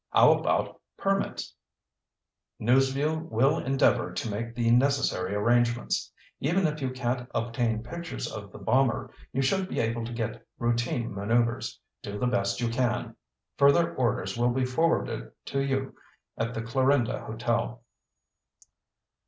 How about permits?" "News Vue will endeavor to make the necessary arrangements. Even if you can't obtain pictures of the bomber, you should be able to get routine maneuvers. Do the best you can. Further orders will be forwarded to you at the Clarinda Hotel."